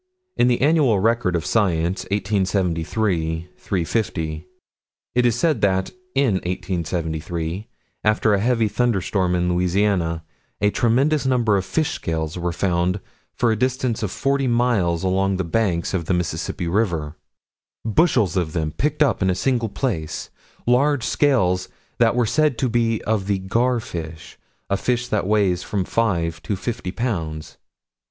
In the Annual Record of Science, 1873 350, it is said that, in 1873, after a heavy thunderstorm in Louisiana, a tremendous number of fish scales were found, for a distance of forty miles, along the banks of the Mississippi River: bushels of them picked up in single places: large scales that were said to be of the gar fish, a fish that weighs from five to fifty pounds.